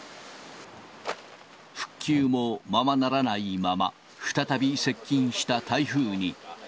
復旧もままならないまま、再び接近した台風に。